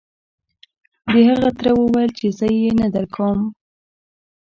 د هغه تره وويل چې زه يې نه درکوم.